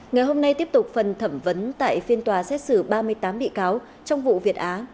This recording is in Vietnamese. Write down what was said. ngày hôm nay tiếp tục phần thẩm vấn tại phiên tòa xét xử ba mươi tám bị cáo trong vụ việt á